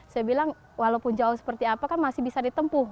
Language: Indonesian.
saya bilang walaupun jauh seperti apa kan masih bisa ditempuh